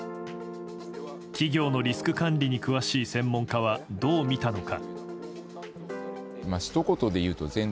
企業のリスク管理に詳しい専門家は、どう見たのか。